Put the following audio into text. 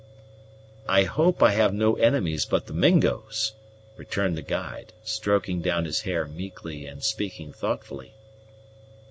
"I hope I have no enemies but the Mingos," returned the guide, stroking down his hair meekly and speaking thoughtfully.